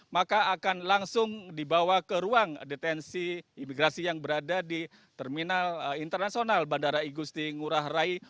maka akan langsung dibawa ke ruang detensi imigrasi yang berada di terminal internasional bandara igusti ngurah rai